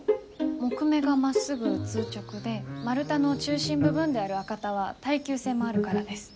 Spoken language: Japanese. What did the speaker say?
木目がまっすぐ通直で丸太の中心部分である赤太は耐久性もあるからです。